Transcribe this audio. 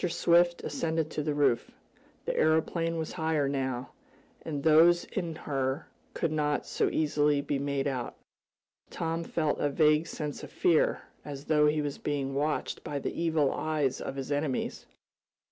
Swift ascended to the roof. The aeroplane was higher now, and those in her could not so easily be made out. Tom felt a vague sense of fear, as though he was being watched by the evil eyes of his enemies.